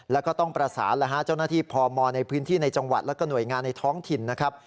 แล้วก็ต้องประสานเจ้าหน้าที่พมในพื้นที่ในจังหวัดและก็หน่วยงานในท้องถิ่นนะครับ